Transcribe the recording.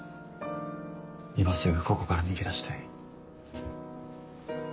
今すぐここから逃げ出したい。